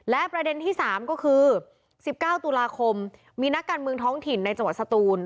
และประเด็นที่๓ก็คือ๑๙ตุลาคมมีนักการเมืองท้องถิ่นในจังหวัดสตูน